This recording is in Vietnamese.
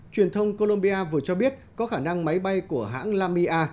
truyền thông colombia vừa cho biết có khả năng máy bay của hãng lamia